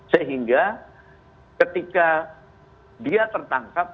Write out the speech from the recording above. sehingga ketika dia tertangkap